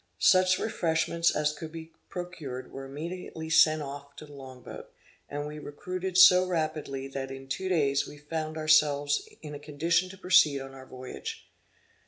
Such refreshments as could be procured were immediately sent off to the long boat, and we recruited so rapidly that in two days we found ourselves in a condition to proceed on our voyage.